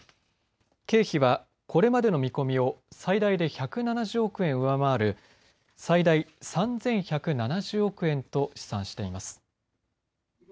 経費はこれまでの見込みを最大で１７０億円上回る最大３１７０億円と試算しています。